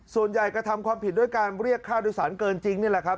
กระทำความผิดด้วยการเรียกค่าโดยสารเกินจริงนี่แหละครับ